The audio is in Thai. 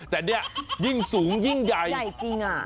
แต่เนี่ยยิ่งสูงยิ่งใหญ่ยิ่งใหญ่จริงอ่ะ